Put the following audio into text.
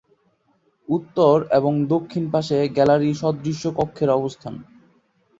উত্তর এবং দক্ষিণ পাশে গ্যালারী সদৃশ কক্ষের অবস্থান।